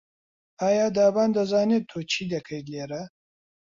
ئایا دابان دەزانێت تۆ چی دەکەیت لێرە؟